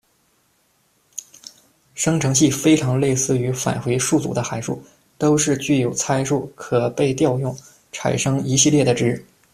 生成器非常类似于返回数组的函数，都是具有参数、可被调用、产生一系列的值。